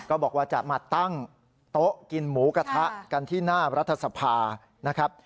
บอกว่าจะมาตั้งโต๊ะกินหมูกระทะกันที่หน้ารัฐสภานะครับ